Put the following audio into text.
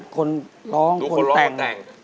คนร้องคนแต่ง